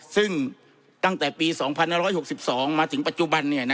ซึ่งตั้งแต่ปี๒๕๖๒มาถึงปัจจุบัน